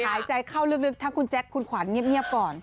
หายใจเข้าลึกถ้าคุณแจ๊คคุณขวัญเงียบก่อน